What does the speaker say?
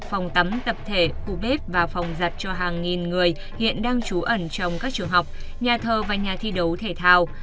phòng tắm tập thể khu bếp và phòng giặt cho hàng nghìn người hiện đang trú ẩn trong các trường học nhà thờ và nhà thi đấu thể thao